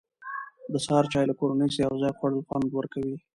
د سهار چای له کورنۍ سره یو ځای خوړل خوند ورکوي.